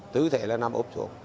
tứ thể là nằm ốp xuống